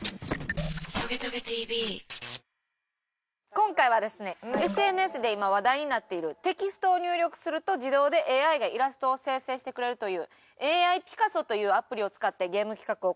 今回はですねＳＮＳで今話題になっているテキストを入力すると自動でＡＩがイラストを生成してくれるというＡＩピカソというアプリを使ってゲーム企画を行いたいと思います。